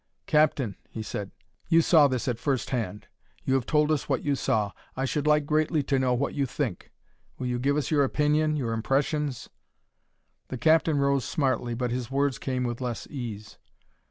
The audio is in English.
"Captain," he said, "you saw this at first hand. You have told us what you saw. I should like greatly to know what you think. Will you give us your opinion, your impressions?" The captain arose smartly, but his words came with less ease.